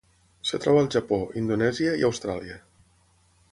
Es troba al Japó, Indonèsia i Austràlia.